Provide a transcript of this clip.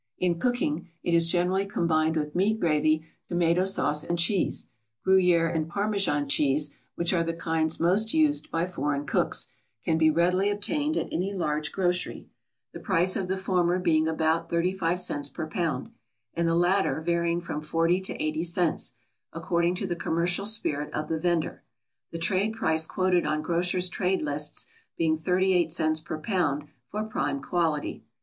In cooking it is generally combined with meat gravy, tomato sauce, and cheese; Gruyere and Parmesan cheese, which are the kinds most used by foreign cooks, can be readily obtained at any large grocery, the price of the former being about thirty five cents per pound, and the latter varying from forty to eighty cents, according to the commercial spirit of the vendor; the trade price quoted on grocers' trade lists being thirty eight cents per pound, for prime quality.